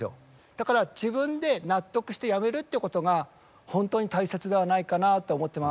だから自分で納得してやめるっていうことが本当に大切ではないかなと思ってます。